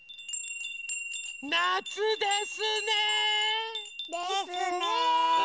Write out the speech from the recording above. なつですね。ですね。ね。